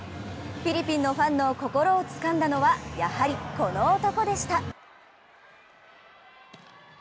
フィリピンのファンの心をつかんだのはやはりこの男でした。